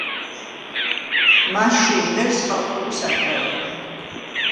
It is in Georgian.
მასში ჟღერს ხალხური საკრავები.